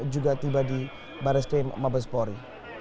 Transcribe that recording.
juga tiba di barreskrim mabespori